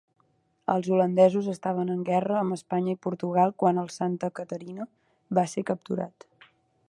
Els holandesos estaven en guerra amb Espanya i Portugal quan el Santa Catarina va ser capturat.